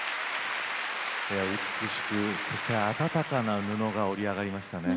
美しくそして温かな布が織り上がりましたね。